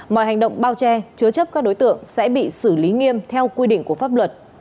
mọi hành động bao che chứa chấp các đối tượng sẽ bị xử lý nghiêm theo quy định của pháp luật